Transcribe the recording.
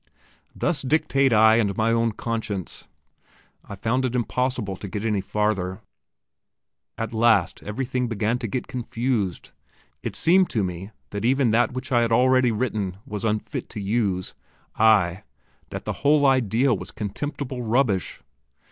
"Thus dictate I and my own conscience...." I found it impossible to get any farther. At last everything began to get confused; it seemed to me that even that which I had already written was unfit to use, ay, that the whole idea was contemptible rubbish.